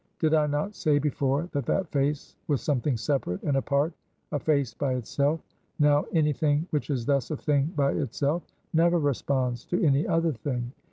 Did I not say before that that face was something separate, and apart; a face by itself? Now, any thing which is thus a thing by itself never responds to any other thing.